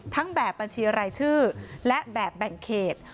แบบบัญชีรายชื่อและแบบแบ่งเขต